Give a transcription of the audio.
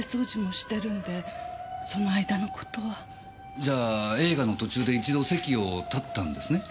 じゃあ映画の途中で一度席を立ったんですね？